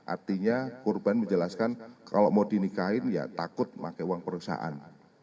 artinya korban menjelaskan kalau mau dinikahin ya takut pakai uang perusahaan